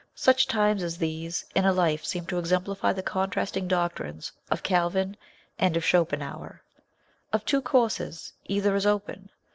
Such times as these in a life seem to exemplify the contrasting doctrines of Calvin and of Schopenhauer ; of two courses, either is open.